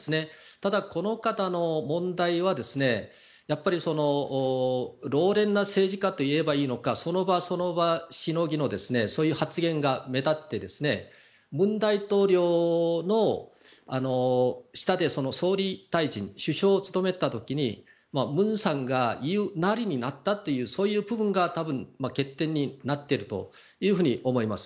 ただ、この方の問題は老練な政治家といえばいいのかその場その場しのぎの発言が目立って文大統領の下で総理大臣首相を務めた時に文さんが言いなりになったというそういう部分が欠点になっていると思います。